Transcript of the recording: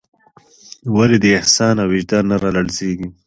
ولې دې احساس او وجدان نه رالړزېږي.